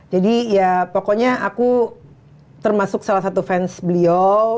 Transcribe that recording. jadi ya pokoknya aku termasuk salah satu fans beliau